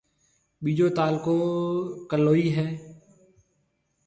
ٻيجو تعلقو ڪلوئِي ھيََََ